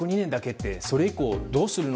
ってそれ以降、どうするの？